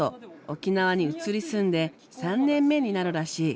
沖縄に移り住んで３年目になるらしい。